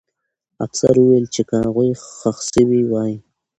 افسر وویل چې که هغوی ښخ سوي وای.